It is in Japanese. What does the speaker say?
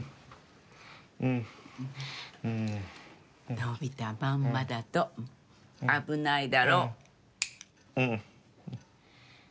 伸びたまんまだと危ないだろ。